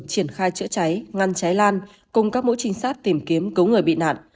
triển khai chữa cháy ngăn cháy lan cùng các mũi trinh sát tìm kiếm cứu người bị nạn